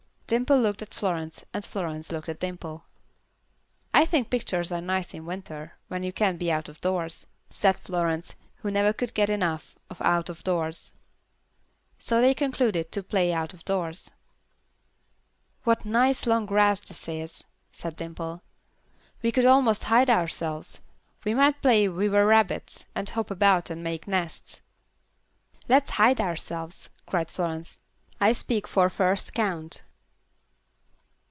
Dimple looked at Florence, and Florence looked at Dimple. "I think pictures are nice in winter, when you can't be out of doors," said Florence, who never could get enough of out of doors. So they concluded to play out of doors. "What nice long grass this is," said Dimple. "We could almost hide ourselves. We might play we were rabbits, and hop about and make nests." "Let's hide ourselves," cried Florence. "I speak for first count.